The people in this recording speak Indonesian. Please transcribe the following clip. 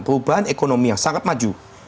perubahan ekonomi yang sangat maju